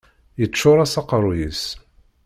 Yeččur-as aqerruy-is.